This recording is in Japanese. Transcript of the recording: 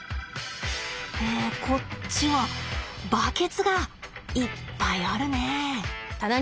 えこっちはバケツがいっぱいあるね。